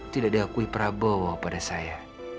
tidak diakui prabowo pada saya